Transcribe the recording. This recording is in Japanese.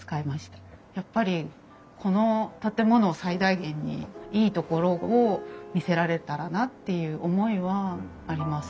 やっぱりこの建物を最大限にいいところを見せられたらなっていう思いはあります。